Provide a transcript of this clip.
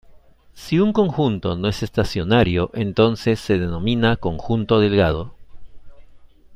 Si un conjunto no es estacionario, entonces se denomina conjunto delgado.